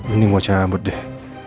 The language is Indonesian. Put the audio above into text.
ini mau cabut deh